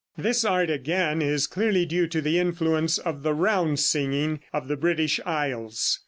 This art, again, is clearly due to the influence of the round singing of the British isles.